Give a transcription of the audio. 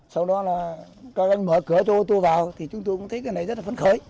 sau đó là các anh mở cửa cho ô tô vào thì chúng tôi cũng thấy cái này rất là phấn khởi